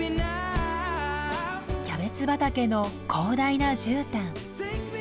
キャベツ畑の広大なじゅうたん。